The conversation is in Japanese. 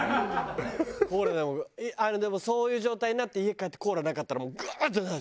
コーラでもあれでもそういう状態になって家帰ってコーラなかったらもうグワーッ！ってなるでしょ？